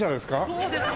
そうですね。